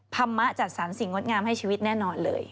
ธรรมะจัดสรรสิ่งงดงามให้ชีวิตแน่นอนเลย